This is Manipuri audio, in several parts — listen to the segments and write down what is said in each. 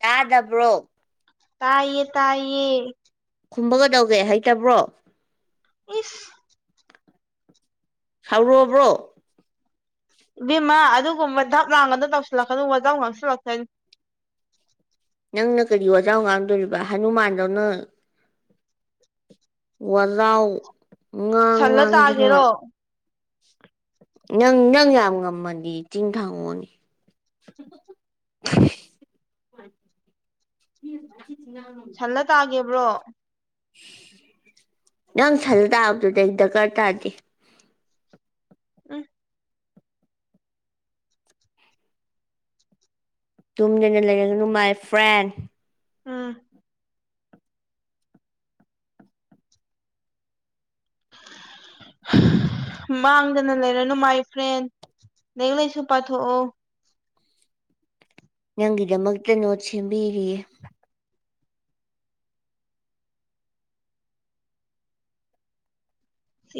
ꯇꯥꯗꯕ꯭ꯔꯣ ꯇꯥꯏꯌꯦ ꯇꯥꯏꯌꯦ ꯈꯨꯝꯕꯒꯗꯧꯒꯦ ꯍꯩꯇꯕ꯭ꯔꯣ ꯏꯐ ꯈꯥꯎꯔꯨꯕ꯭ꯔꯣ ꯕꯤꯦꯝꯃꯥ ꯑꯗꯨꯒꯨꯝꯕ ꯙꯛ ꯂꯥꯡꯒꯅ ꯇꯧꯁꯤꯜꯂꯛꯀꯅꯨ ꯋꯥꯖꯧ ꯉꯥꯡꯁꯤꯜꯂꯛꯀꯅꯤ ꯅꯪꯅ ꯀꯔꯤ ꯑꯣꯖꯥ ꯉꯥꯡꯗꯣꯔꯤꯕ ꯍꯅꯨꯃꯥꯟꯗꯧꯅ ꯋꯥꯂꯥꯎ ꯉꯥꯡ ꯁꯜꯂ ꯉꯥꯡꯗ꯭ꯔ ꯇꯥꯒꯦꯔꯣ ꯅꯪ ꯅꯪ ꯌꯥꯝ ꯉꯝꯃꯗꯤ ꯆꯤꯡ ꯊꯥꯡꯉꯣꯅꯤ [unintelligible] ꯁꯜꯂ ꯇꯥꯒꯦꯕ꯭ꯔꯣ ꯅꯪ ꯁꯖ ꯇꯥꯕꯗꯨꯗ ꯑꯩ ꯗꯔꯀꯥꯔ ꯇꯥꯔꯗꯤ ꯎꯝ ꯇꯨꯝꯗꯅ ꯂꯩꯔꯒꯅꯨ my friend um ꯃꯥꯡꯗꯅ ꯂꯩꯔꯅꯨ my friend ꯅꯁꯨ ꯄꯊꯣꯛꯑꯣ ꯅꯪꯒꯤꯗꯃꯛꯇ ꯅꯣꯠ ꯁꯦꯝꯕꯤꯔꯤꯌꯦ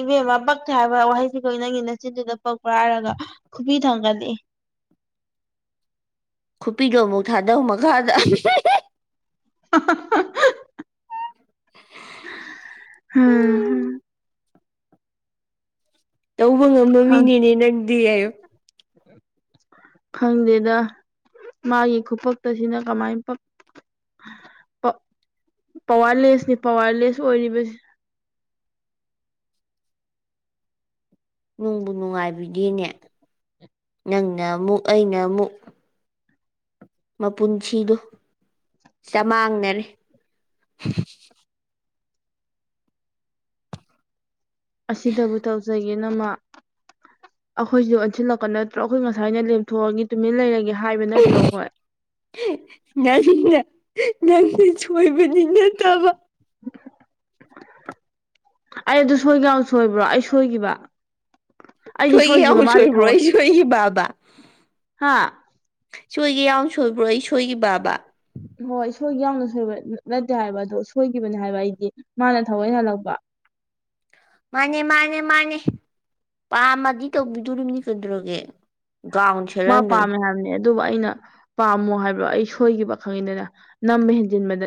ꯏꯕꯦꯝꯃ ꯄꯛꯊꯦ ꯍꯥꯏꯕ ꯋꯥꯍꯩꯁꯤꯈꯣꯏ ꯅꯪꯒꯤ ꯅꯆꯤꯟꯗꯨꯗ ꯄꯛꯄꯥꯏꯔꯒ ꯈꯨꯕꯤ ꯊꯪꯒꯅꯤ ꯈꯨꯄꯤꯗꯣ ꯑꯃꯨꯛ ꯊꯥꯗꯧ ꯃꯈꯥꯗ ꯍꯑꯍꯥ ꯑꯁ꯭ ꯎꯝ ꯇꯧꯕ ꯉꯝꯕ ꯃꯤꯅꯦꯅꯦ ꯅꯪꯗꯤ ꯑꯌꯨ ꯎꯝ ꯈꯪꯗꯦꯗ ꯃꯥꯒꯤ ꯈꯨꯐꯛꯇꯁꯤꯅ ꯀꯃꯥꯏꯅ ꯄꯋꯥꯔꯂꯦꯁꯅꯤ ꯄꯋꯥꯔꯂꯦꯁ ꯑꯣꯏꯔꯤꯕꯁꯤ ꯅꯨꯡꯕꯨ ꯅꯨꯡꯉꯥꯏꯕꯤꯗꯤꯅꯦ ꯅꯪꯅ ꯑꯃꯨꯛ ꯑꯩꯅ ꯑꯃꯨꯛ ꯃꯄꯨꯟꯁꯤꯗꯣ ꯆꯃꯥꯡꯅꯔꯦ ꯑꯁꯤꯗꯕꯨ ꯇꯧꯖꯒꯦ ꯅꯃ ꯑꯩꯈꯣꯏꯁꯨ ꯑꯣꯟꯁꯤꯜꯂꯛꯄ ꯅꯠꯇ꯭ꯔꯣ ꯑꯩꯈꯣꯏ ꯉꯁꯥꯏꯅ ꯂꯦꯝꯊꯣꯛꯑꯒꯦ ꯇꯨꯃꯤꯟ ꯂꯩꯔꯒꯦ ꯍꯥꯏꯕ ꯅꯠꯇ꯭ꯔꯣ ꯑꯩꯈꯣꯏ ꯅꯪꯅ ꯅꯪꯗꯤ ꯁꯣꯏꯕꯅꯤꯅ ꯇꯥꯕ ꯑꯩ ꯑꯗꯨ ꯁꯣꯏꯒ ꯁꯣꯏꯕ꯭ꯔꯣ ꯑꯩ ꯁꯣꯏꯈꯤꯕ ꯑꯩꯗꯤ ꯁꯣꯏꯈꯤ ꯁꯣꯏꯈꯤꯕ ꯑꯃꯛ ꯃꯥꯗꯤ ꯁꯣꯏꯕ꯭ꯔꯣ ꯊꯑꯣꯏ ꯑꯩ ꯁꯣꯏꯕ ꯍꯥ ꯁꯣꯏꯒ ꯌꯥꯝꯎ ꯁꯣꯏꯕ꯭ꯔꯣ ꯑꯩ ꯁꯣꯏꯈꯤꯕꯕ ꯍꯣꯏ ꯁꯣꯏꯈꯤꯕ ꯌꯥꯝꯅ ꯁꯣꯏꯕ ꯅꯠꯇꯦ ꯍꯥꯏꯕ ꯑꯗꯣ ꯁꯣꯏꯈꯤꯕꯅꯦ ꯍꯥꯏꯕ ꯑꯩꯗꯤ ꯃꯥꯅ ꯊꯑꯣꯏ ꯍꯜꯂꯛꯄ ꯃꯥꯅꯦ ꯃꯥꯅꯦ ꯃꯥꯅꯦ ꯄꯥꯝꯃꯗꯤ ꯇꯧꯕꯤꯗꯣꯝꯅꯤ ꯀꯗ꯭ꯔꯣꯒꯦ ꯃꯥ ꯄꯥꯝꯃꯦ ꯍꯥꯏꯕꯅꯦ ꯑꯗꯨꯕꯨ ꯑꯩꯅ ꯄꯥꯝꯃꯣ ꯍꯥꯏꯕ꯭ꯔꯣ ꯑꯩ ꯁꯣꯏꯈꯤꯕ ꯈꯪꯉꯤꯗꯅ ꯅꯝꯕ ꯍꯦꯟꯖꯤꯟꯕꯗ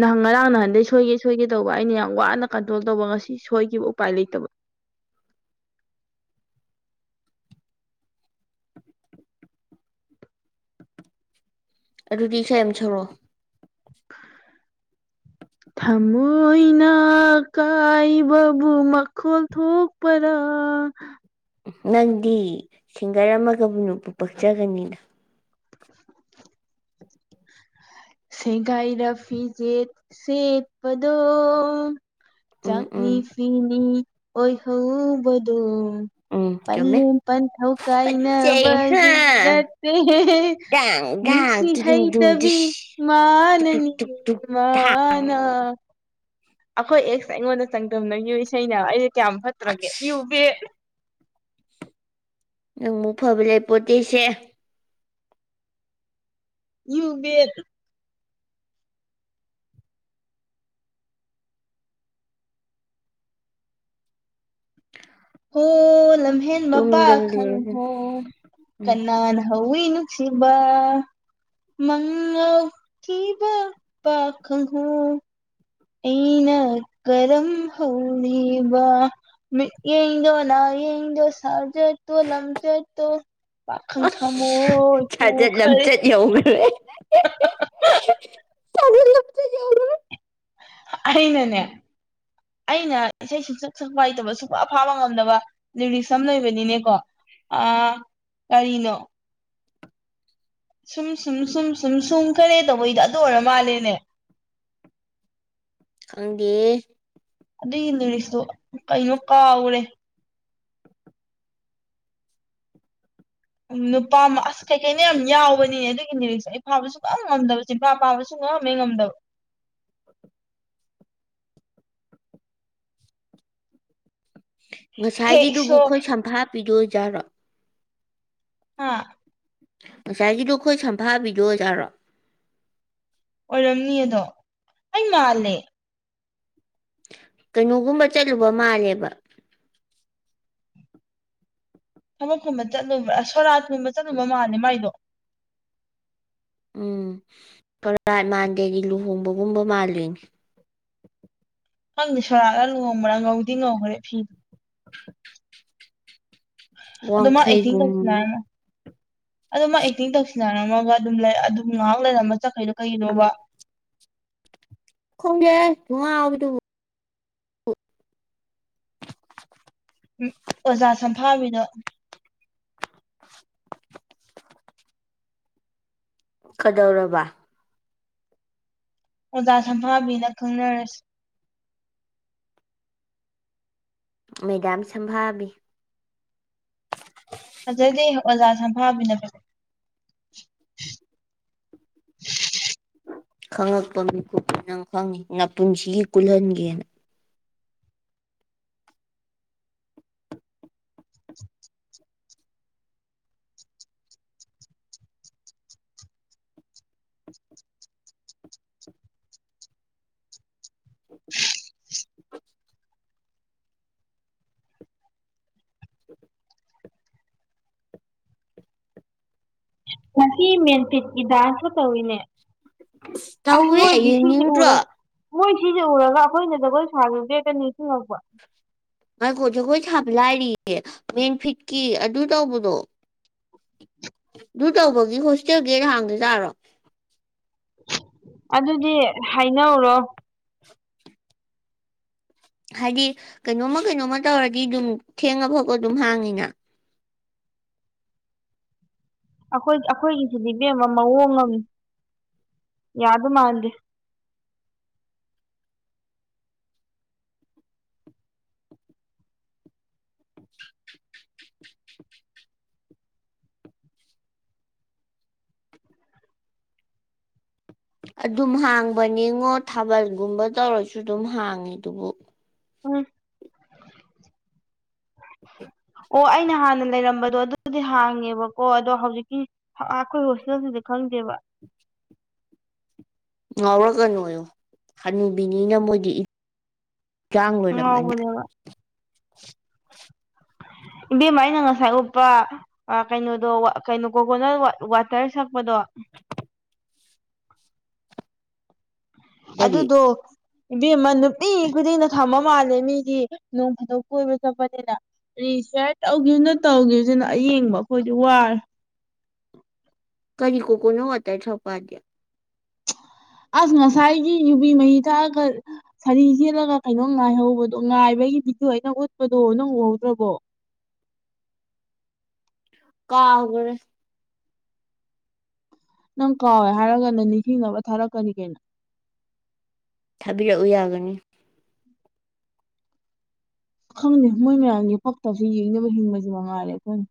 ꯅ ꯉꯔꯥꯡ ꯅꯍꯥꯟꯗꯩ ꯁꯣꯏꯒꯦ ꯁꯣꯏꯒꯦ ꯇꯧꯕ ꯑꯩꯅ ꯌꯥꯝ ꯋꯥꯅ ꯀꯟꯇ꯭ꯔꯣꯜ ꯇꯧꯕ ꯉꯁꯤ ꯁꯣꯏꯈꯤꯕ ꯎꯄꯥꯏ ꯂꯩꯇꯕ ꯑꯗꯨꯗꯤ ꯁ ꯌꯥꯝ ꯁꯧꯔꯛꯑꯣ ꯍꯥ ꯊꯃꯣꯏꯅ ꯀꯥꯏꯕꯕꯨ ꯃꯈꯣꯜ ꯊꯣꯛꯄꯔꯥ ꯅꯪꯗꯤ ꯁꯤꯡꯒꯔ ꯑꯃꯒꯕꯨꯅꯕꯨ ꯄꯛꯆꯒꯅꯤꯅ ꯍꯤ ꯁꯦꯡꯒꯥꯏꯔ ꯐꯤꯖꯦꯠ ꯁꯦꯠꯄꯗꯣ ꯎꯝ ꯆꯥꯛꯅꯤ ꯎꯝ ꯐꯤꯅꯤ ꯑꯣꯏꯏꯍꯧꯕꯗꯨꯣ ꯎꯝ ꯆꯨꯝꯃꯦ ꯄꯜꯂ ꯄꯟ ꯊꯧꯀꯥꯏꯅ ꯐꯖꯩ ꯍꯥ ꯒꯤꯅꯠꯇ ꯗꯥꯡ ꯅꯨꯡꯁꯤ ꯗꯥꯡ ꯇꯨꯗꯨꯡ ꯍꯩꯇ ꯗꯨꯡ ꯕꯤ ꯗꯤꯁ ꯇꯨꯛ ꯇꯨꯛ ꯃꯅꯅꯤ ꯇꯨꯛ ꯇꯨꯛ ꯃꯥꯅꯥ ꯑꯩꯈꯣꯏ ꯑꯦꯛꯁꯦ ꯑꯩꯉꯣꯟꯗ ꯆꯥꯡꯗꯝꯅꯒꯤꯨ ꯏꯁꯩꯅ ꯑꯩꯁꯦ ꯀꯌꯥꯝ ꯐꯠꯇ꯭ꯔꯒꯦꯨ ꯑꯁ ꯅꯪ ꯑꯃꯨꯛ ꯐꯕ ꯂꯩ ꯄꯣꯠꯇꯦꯁꯦ ꯌꯕꯦꯠ ꯍꯣ ꯂꯝꯍꯦꯟ ꯃꯄꯥ ꯇꯨꯝꯗꯅ ꯂꯩꯔꯒꯅ ꯈꯪꯍꯣ ꯎꯝ ꯀꯅꯥꯅ ꯍ ꯏꯅꯨꯁꯤꯕ ꯃꯉꯧꯈꯤꯕ ꯄꯈꯍ ꯑꯩꯅ ꯀꯔꯝ ꯍꯧꯔꯤꯕ ꯃꯤ ꯏꯗ ꯅ ꯏ ꯏꯣ ꯁꯥꯔꯖ ꯇꯣ ꯂꯝꯆ ꯇ ꯄꯥꯈꯪ ꯊꯃ ꯊ ꯈꯔ ꯌꯧꯕꯦ ꯂꯣꯏꯔꯦꯗꯅ ꯁꯥꯖꯠ ꯂꯝꯆꯠ ꯌꯧꯈ꯭ꯔꯦ ꯑꯅꯅꯦ ꯑꯩꯅ ꯏꯁꯩ ꯁꯨꯡꯁꯛ ꯁꯛꯄꯥꯏꯇꯕ ꯁꯨꯡ ꯑꯐꯥꯕ ꯉꯝꯗꯕ ꯔꯤꯁ ꯑꯃ ꯂꯩꯕꯅꯤꯅꯦꯀꯣ ꯑ ꯀꯔꯤꯅꯣ ꯁꯨꯝ ꯁꯨꯝ ꯁꯨꯝ ꯁꯨꯝ ꯁꯨꯝ ꯈꯔꯦ ꯇꯧꯕꯩꯗꯣ ꯑꯗꯨ ꯑꯣꯏꯔ ꯃꯥꯜꯂꯦꯅꯦ ꯈꯪꯗꯦ ꯑꯗꯨꯏꯒꯤ ꯅꯨꯅꯤ ꯀꯩꯅꯣ ꯀꯥꯎꯈꯔꯦ ꯎꯝ ꯅꯨꯄꯥ ꯑꯝ ꯑꯁ ꯀꯩꯀꯩꯅꯣ ꯌꯥꯝ ꯌꯥꯎꯕꯅꯤꯅꯦ ꯑꯗꯨꯒꯤꯅꯤꯔꯤꯛꯁ ꯐꯥꯕ ꯁꯨꯉꯝ ꯉꯝꯗꯕ ꯆꯤꯟꯄꯥ ꯄꯥꯕ ꯁꯨꯉꯝꯃꯦ ꯉꯝꯗꯕ ꯍꯦ ꯉꯁꯥꯏꯒꯤꯗꯨꯕꯨ ꯈꯨꯏ ꯏꯁꯣꯔ ꯁꯝꯐꯥꯄꯤ ꯗꯨꯑꯏꯖꯥꯔꯣ ꯍꯥꯥ ꯉꯁꯥꯏꯒꯤꯗꯣ ꯑꯈꯣꯏ ꯁꯝꯐꯥꯕꯤꯗꯣ ꯑꯣꯖꯥꯔꯣ ꯑꯣꯏꯔꯝꯅꯤ ꯑꯗꯣ ꯑꯩ ꯃꯥꯜꯂꯦ ꯀꯩꯅꯣꯒꯨꯝꯕ ꯆꯠꯂꯨꯕ ꯃꯥꯜꯂꯦꯕ ꯊꯕꯛꯀꯨꯝꯕ ꯆꯠꯂꯨꯕ ꯑ ꯁꯣꯔꯥꯠꯀꯨꯝꯕ ꯆꯠꯂꯨꯕ ꯃꯥꯜꯂꯦ ꯃꯥꯏꯗꯣ ꯎꯝ ꯀꯔꯥꯠ ꯃꯥꯟꯗꯦ ꯑꯩꯗꯤ ꯂꯨꯍꯣꯡꯕꯒꯨꯝꯕ ꯃꯥꯜꯂꯤꯟ ꯈꯪꯗꯦ ꯁꯣꯔꯥꯠꯂ ꯂꯨꯍꯣꯡꯕ꯭ꯔꯥ ꯉꯧꯗꯤ ꯉꯧꯈꯔꯦ ꯐꯤꯗ ꯑꯗꯣ ꯃꯥ ꯑꯦꯛꯇꯤꯡ ꯋꯥꯡꯈꯩꯒꯨꯝ ꯇꯧꯁꯤꯟꯅꯔꯒ ꯑꯗꯨ ꯃꯥ ꯑꯦꯛꯇꯤꯡ ꯇꯧꯁꯤꯟꯅꯔꯝꯃꯒ ꯑꯗꯨꯝ ꯂꯩ ꯑꯗꯨꯝ ꯉꯍꯥꯛ ꯂꯩꯔꯝꯃ ꯆꯠꯈꯩꯗꯣ ꯀꯩꯒꯤꯅꯣꯕ ꯈꯣꯡꯗꯦꯍꯦ ꯊꯨꯉꯥꯎꯕꯤꯗꯨꯕꯨ ꯎꯝ ꯑꯣꯖꯥ ꯁꯝꯐꯥꯕꯤꯅꯣ ꯀꯗꯧꯔꯕ ꯑꯣꯖꯥ ꯁꯝꯐꯥꯕꯤꯅ ꯈꯪꯅꯔꯁꯤ ꯃꯦꯒꯥꯝ ꯁꯝꯐꯥꯕꯤ ꯑꯖꯩꯗꯤ ꯑꯣꯖꯥ ꯁꯝꯐꯥꯕꯤꯅ ꯐꯖꯩ ꯈꯪꯉꯛꯄ ꯃꯤꯀꯨꯞꯇ ꯅꯪ ꯈꯪꯅꯤ ꯉꯄꯨꯟꯁꯤꯒꯤ ꯀꯨꯜꯍꯟꯒꯦꯅ ꯉꯁꯤ ꯃꯦꯟꯐꯤꯠꯀꯤ ꯗꯥꯟꯁꯨ ꯇꯧꯋꯤꯅꯦ ꯑꯁ ꯇꯧꯋꯦ ꯃꯣꯏꯒꯤ ꯁꯤꯁꯤ ꯎꯔꯣ ꯌꯦꯡꯅꯤꯡꯗ꯭ꯔꯣ ꯃꯣꯏ ꯁꯤꯖꯦ ꯎꯔꯒ ꯑꯈꯣꯏꯅ ꯖꯒꯣꯏ ꯁꯥꯒꯤꯕꯗꯨ ꯍꯦꯛꯇ ꯅꯤꯡꯁꯤꯡꯉꯛꯄ ꯉꯥꯏꯈꯣ ꯖꯒꯣꯏ ꯁꯥꯕ ꯂꯥꯏꯔꯤꯌꯦ ꯃꯦꯟ ꯐꯤꯠꯀꯤ ꯑꯗꯨ ꯇꯧꯕꯗꯣ ꯑꯗꯨ ꯇꯧꯕꯒꯤ ꯍꯣꯁꯇꯦꯜ ꯒꯦꯠ ꯑꯩ ꯍꯥꯡꯗ ꯆꯥꯔꯣ ꯑꯗꯨꯗꯤ ꯍꯥꯏꯅꯧꯔꯣ ꯍꯥꯏꯗꯤ ꯀꯩꯅꯣꯝꯃ ꯀꯩꯅꯣꯝꯃ ꯇꯧꯔꯗꯤ ꯑꯗꯨꯝ ꯊꯦꯡꯉꯐꯧꯕ ꯑꯗꯨꯝ ꯍꯥꯡꯉꯤꯅ ꯑꯈꯣꯏ ꯑꯈꯣꯏꯒꯤꯁꯤꯗꯤ ꯕꯦꯝꯃ ꯃꯑꯣꯡ ꯑꯃꯅꯤ ꯌꯥꯗꯣ ꯃꯥꯟꯗꯦ ꯑꯗꯨꯝ ꯍꯥꯡꯕꯅꯤꯉꯣ ꯊꯥꯕꯜꯒꯨꯝꯕ ꯇꯧꯔꯁꯨ ꯑꯗꯨꯝ ꯍꯥꯡꯉꯤ ꯗꯨꯕꯨ ꯎꯝ [inaudible] ꯑꯣ ꯑꯩꯅ ꯍꯥꯟꯅ ꯂꯩꯔꯝꯕꯗꯣ ꯑꯗꯨꯗꯤ ꯍꯥꯡꯉꯦꯕꯀꯣ ꯑꯗꯣ ꯍꯧꯖꯤꯛꯀꯤ ꯍꯥꯑ ꯈꯣꯏ ꯔꯣꯁꯀꯤ ꯅꯇꯗꯤ ꯈꯪꯗꯦꯕ ꯉꯥꯎꯔꯒ ꯅꯣꯏꯌꯣ ꯍꯅꯨꯕꯤꯅꯤꯅ ꯃꯣꯏꯗꯤ ꯏꯛ ꯆꯥꯡ ꯂꯣꯏꯔꯝꯃꯅꯤ ꯉꯥꯎꯕꯅꯦꯕ ꯏꯕꯦꯝꯃ ꯑꯩꯅ ꯉꯁꯥꯏ ꯎꯞꯄ ꯑ ꯀꯩꯅꯣꯗꯣ ꯋ ꯀꯩꯅꯣ ꯀꯣꯀꯣꯅ ꯋ ꯋꯥꯇꯔ ꯁꯛꯄꯗꯣ ꯀꯔꯤ ꯑꯗꯨꯗꯣ ꯏꯕꯦꯝꯃ ꯅꯨꯄꯤ ꯈꯨꯗꯤꯡꯅ ꯊꯃ ꯃꯥꯜꯂꯦ ꯃꯤꯗꯤ ꯅꯣꯡ ꯐꯥꯗꯣꯛ ꯀꯣꯏꯕ ꯆꯠꯄꯅꯤꯅ ꯔꯤꯁꯤꯌꯔ ꯇꯧꯒꯤꯝꯅ ꯇꯧꯒꯤꯕꯖꯤꯅ ꯑꯌꯦꯡꯕ ꯑꯈꯣꯏꯗꯤ ꯋꯥꯔꯦ ꯀꯔꯤ ꯀꯣꯀꯣꯅ ꯋꯥꯇꯔ ꯊꯛꯄꯗꯦ ꯑꯁ ꯉꯁꯥꯏꯒꯤ ꯌꯨꯕꯤ ꯃꯍꯤ ꯊꯛꯑꯈꯜ ꯁꯥꯔꯤ ꯁꯦꯠꯂꯒ ꯀꯩꯅꯣꯝ ꯉꯥꯏꯍꯧꯕꯗꯣ ꯉꯥꯏꯕꯑꯩ ꯚꯗꯤꯑꯣ ꯑꯩꯅ ꯎꯠꯄꯗꯣ ꯅꯧ ꯎꯍꯧꯗ꯭ꯔꯕꯣ ꯀꯥꯎꯒꯔꯦ ꯅꯪ ꯀꯥꯎꯋꯦ ꯍꯥꯏꯔꯒꯅ ꯅꯤꯡꯁꯤꯡꯅꯕ ꯊꯥꯔꯛꯀꯅꯤ ꯀꯩꯅꯣ ꯊꯥꯕꯤꯔꯛꯎ ꯌꯥꯒꯅꯤ ꯈꯪꯗꯦ ꯃꯣꯏ ꯃꯌꯥꯝꯒꯤ ꯄꯛꯇꯕꯁꯤ ꯌꯦꯡꯅꯕ ꯍꯤꯡꯕꯁꯤ ꯃꯉꯥꯏꯔꯦ ꯑꯩꯈꯣꯏꯅ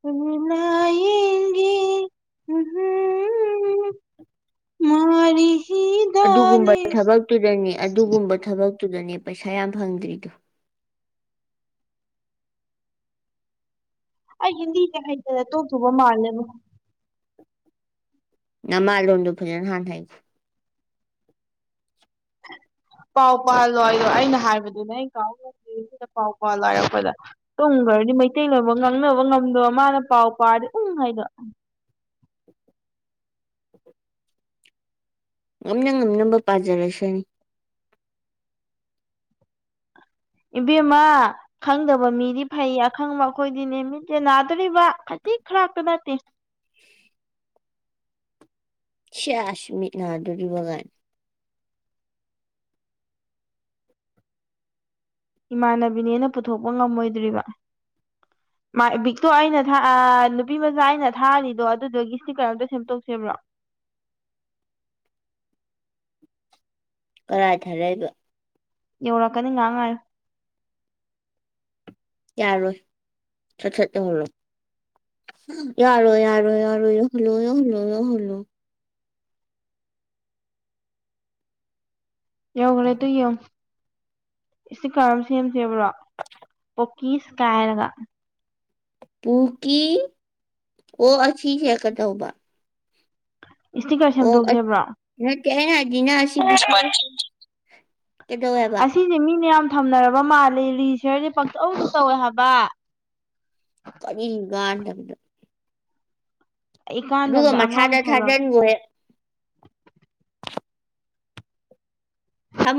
ꯇꯨꯃꯤꯅ ꯌꯦꯡꯒꯦ ꯍꯝꯍꯝ ꯎꯝ ꯃꯥꯔꯤ ꯍꯤ ꯑꯗꯨꯒꯨꯝꯕ ꯗꯥꯅꯦ ꯊꯕꯛꯇꯨꯗꯅꯦ ꯑꯗꯨꯒꯨꯝꯕ ꯊꯕꯛꯇꯨꯗꯅꯦ ꯄꯩꯁꯥ ꯌꯥꯝ ꯐꯪꯗ꯭ꯔꯤꯗꯣ ꯑꯩ ꯍꯤꯟꯗꯤꯁꯦ ꯍꯩꯇꯅ ꯇꯣꯛꯇꯣꯕ ꯃꯥꯜꯂꯦꯕꯣ ꯅꯃꯥ ꯂꯣꯟꯗꯨꯣ ꯐꯖꯅ ꯍꯥꯟꯅ ꯍꯥꯏꯒꯦ ꯄꯥꯎ ꯄꯥꯜꯂꯣ ꯑꯗꯣ ꯑꯩꯅ ꯍꯥꯏꯕꯗꯨꯅꯦ ꯑꯩꯅ ꯀꯥꯎꯔꯒꯦ ꯁꯤꯗ ꯄꯥꯎ ꯄꯥꯜꯂꯣ ꯍꯥꯏꯔꯛꯄꯗ ꯇꯨꯡꯈ꯭ꯔꯗꯤ ꯃꯩꯇꯩ ꯂꯣꯏꯕ ꯉꯥꯡꯅꯕ ꯉꯝꯗꯕ ꯃꯥꯅ ꯄꯥꯎ ꯄꯥꯔꯗꯤ ꯎꯪ ꯍꯥꯏꯗꯣ ꯉꯝꯅ ꯉꯝꯅꯕ ꯄꯥꯖꯔꯁꯤꯅꯤ ꯏꯕꯤꯃ ꯈꯪꯗꯕ ꯃꯤꯗꯤ ꯐꯩ ꯑꯈꯪꯕ ꯑꯩꯈꯣꯏꯗꯤꯅꯦ ꯃꯤꯠꯁꯦ ꯅꯥꯗꯣꯔꯤꯕ ꯈꯖꯤꯛ ꯈꯔꯥꯛꯇ ꯅꯠꯇꯦ ꯁꯤꯁꯃꯤ ꯂꯥꯗꯔꯤ ꯒꯥꯟ ꯏꯃꯥꯟꯅꯕꯤꯅꯦꯅ ꯄꯨꯊꯣꯛꯄ ꯉꯝꯃꯣꯏꯗ꯭ꯔꯤꯕ ꯃꯥ ꯕꯤꯛꯇꯣ ꯑꯩꯅ ꯊ ꯑ ꯅꯨꯄꯤ ꯃꯆꯥ ꯑꯩꯅ ꯊꯥꯔꯤꯗꯣ ꯑꯗꯨꯗꯨꯒꯤ ꯏꯁꯇꯤꯀꯔ ꯑꯝꯇ ꯁꯦꯝꯇꯣꯛꯁꯦꯕ꯭ꯔꯣ ꯀꯔꯥꯏ ꯊꯥꯔꯏꯕ ꯏꯧ ꯅꯤꯡ ꯉꯥꯡꯉꯥꯏ ꯌꯥꯔꯣꯏ ꯁꯠ ꯁꯠꯠꯇꯍꯜꯂꯣ ꯌꯥꯔꯣ ꯌꯥꯔꯣ ꯌꯥꯔꯣ ꯏ ꯍꯜꯂꯣ ꯌ ꯍꯜꯂꯣ ꯌ ꯍꯜꯂꯣ ꯌꯧꯈ꯭ꯔꯦ ꯑꯗꯨ ꯌꯦꯡꯉ ꯁꯤ ꯀꯔꯝ ꯁꯦꯝꯗꯦꯕ꯭ꯔꯣ ꯄꯣꯛꯀꯤꯁ ꯀꯥꯏꯔꯒ ꯄꯨꯀꯤ ꯑꯣ ꯑꯁꯤ ꯆꯦꯛꯀ ꯇꯧꯕ ꯏꯁꯇꯤꯀꯔ ꯁꯦꯝꯗꯣꯛꯁꯕ꯭ꯔꯣ ꯅ ꯀ ꯍꯥꯏꯖꯤꯅ ꯀꯗꯕ ꯁꯤꯁꯦ ꯃꯤꯅ ꯌꯥꯝ ꯊꯝꯅꯔꯕ ꯃꯥꯜꯂꯦ ꯔꯤꯁꯍꯔꯁꯦ ꯄꯪꯇꯧ ꯇꯧꯋꯦ ꯍꯥꯏꯕ ꯀ ꯏꯒꯗ ꯑꯗꯨꯒ ꯏꯀꯥꯟꯗꯕꯗ ꯑꯉꯥꯡ ꯃꯁꯥꯗ ꯊꯧꯔꯝ ꯊꯥꯖꯤꯟꯕꯨ ꯍꯦ ꯊꯝꯃꯣ